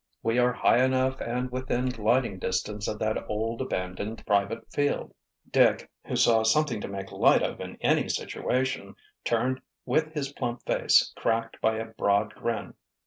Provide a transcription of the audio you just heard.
We are high enough and within gliding distance of that old, abandoned private field." Dick, who saw something to make light of in any situation, turned with his plump face cracked by a broad grin.